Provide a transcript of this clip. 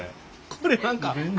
これ何か。